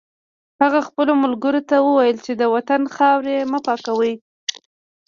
هغه خپلو ملګرو ته وویل چې د وطن خاورې مه پاکوئ